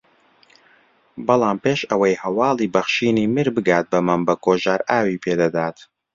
بەڵام پێش ئەوەی ھەواڵی بەخشینی میر بگات بە مەم بەکۆ ژارئاوی پێدەدات